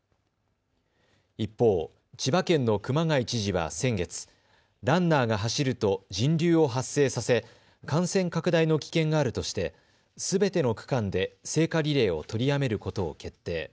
一方、千葉県の熊谷知事は先月、ランナーが走ると人流を発生させ感染拡大の危険があるとしてすべての区間で聖火リレーを取りやめることを決定。